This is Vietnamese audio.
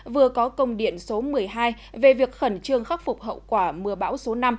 vừa có công điện số một mươi hai về việc khẩn trương khắc phục hậu quả mưa bão số năm